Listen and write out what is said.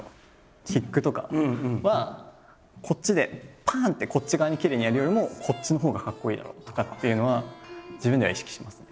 キックとかはこっちでパン！ってこっち側にきれいにやるよりもこっちのほうがかっこいいだろうとかっていうのは自分では意識してますね。